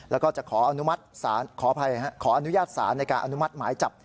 แล้วก็จะขออนุญาตศาลในการอนุมัติหมายจับ